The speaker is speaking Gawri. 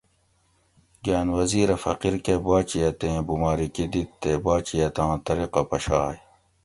گاۤن وزیر اۤ فقیر کہۤ باچیتیں بُمارکِی دِت تے باچیٔتاں طریقہ پشاگ